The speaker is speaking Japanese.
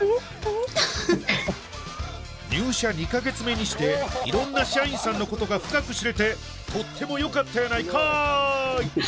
入社２カ月目にしていろんな社員さんのことが深く知れてとってもよかったやないかい！